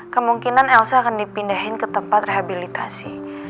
kemungkinan elsa akan dipindahin ke tempat rehabilitasi